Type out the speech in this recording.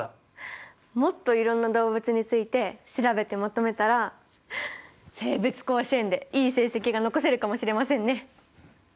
もっといろんな動物について調べてまとめたら生物甲子園でいい成績が残せるかもしれませんね。